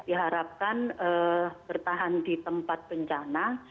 diharapkan bertahan di tempat bencana